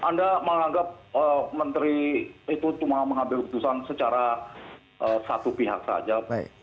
anda menganggap menteri itu cuma mengambil keputusan secara satu pihak saja